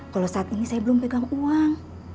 kalau saat ini saya belum pegang uang